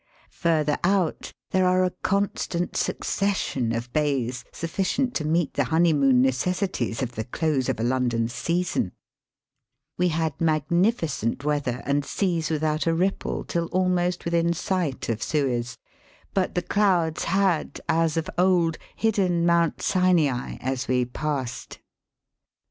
Further out there are a constant succession of bays sufficient to meet the honeymoon necessities of the close of a London season. "We had magnificent Digitized by VjOOQIC THROUGH THE SUEZ CANAL. 347 weather and seas without a ripple till almost within sight of Suez ; but the clouds had, a& of old, hidden Mount Sinai as we passed.